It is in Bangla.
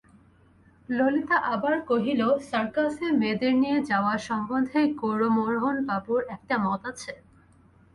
ললিতা আবার কহিল, সার্কাসে মেয়েদের নিয়ে যাওয়া সম্বন্ধে গৌরমোহনবাবুর একটা মত আছে?